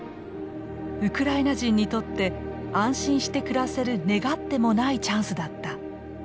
ウクライナ人にとって安心して暮らせる願ってもないチャンスだった。